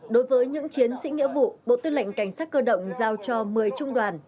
đối với những chiến sĩ nghĩa vụ bộ tư lệnh cảnh sát cơ động giao cho một mươi trung đoàn